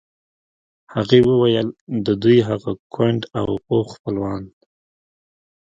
هغې وویل د دوی هغه کونډ او پوخ خپلوان.